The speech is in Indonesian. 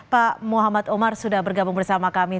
pak muhammad umar sudah bergabung bersama kami